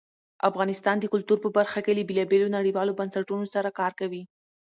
افغانستان د کلتور په برخه کې له بېلابېلو نړیوالو بنسټونو سره کار کوي.